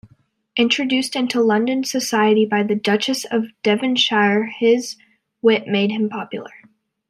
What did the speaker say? Introduced into London society by the duchess of Devonshire, his wit made him popular.